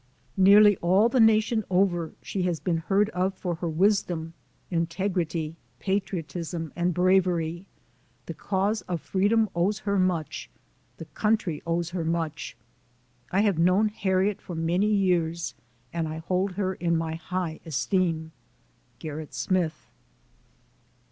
Nearly all the nation over, she has been heard of for her wisdom, integrity, patriotism, and bravery. The cause of freedom owes her much. The country owes her much. I have known Harriet for many years, and I hold her in my high esteem. GERRIT SMITH.